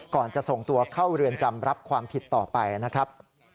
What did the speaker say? ก่อนจะส่งตัวเข้าเรือนจำรับความผิดต่อไปนะครับ